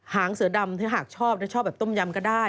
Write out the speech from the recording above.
หางเสือดำถ้าหากชอบชอบแบบต้มยำก็ได้